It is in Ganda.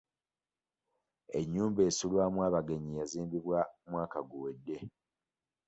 Ennyumba esulwamu abagenyi yazimbibwa mwaka guwedde